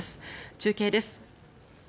中継です。